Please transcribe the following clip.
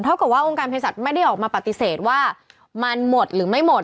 กับว่าองค์การเพศัตว์ไม่ได้ออกมาปฏิเสธว่ามันหมดหรือไม่หมด